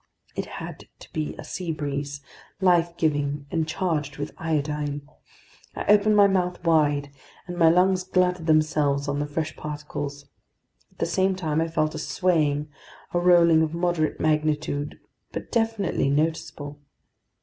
It had to be a sea breeze, life giving and charged with iodine! I opened my mouth wide, and my lungs glutted themselves on the fresh particles. At the same time, I felt a swaying, a rolling of moderate magnitude but definitely noticeable.